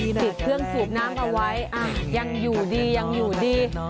ติดเครื่องสูบน้ำเอาไว้ยังอยู่ดียังอยู่ดี